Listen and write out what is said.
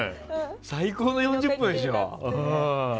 最高の４０分でしょ？